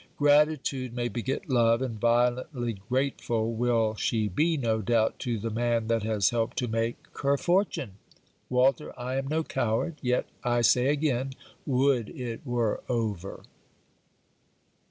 Gratitude may beget love; and violently grateful will she be, no doubt, to the man that has helped to make her fortune. Walter, I am no coward: yet, I say again, would it were over!